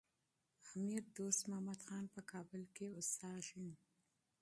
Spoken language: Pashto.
امیر دوست محمد خان په کابل کي اوسېږي.